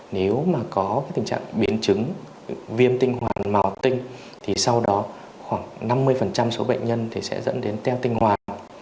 nếu mà có tình trạng biến chứng viêm tinh hoàn màu tinh thì sau đó khoảng năm mươi số bệnh nhân thì sẽ dẫn đến teo tinh hoàn